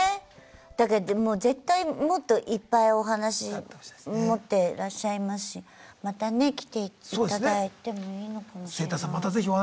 だから絶対もっといっぱいお話持ってらっしゃいますしまたね来ていただいてもいいのかもしれない。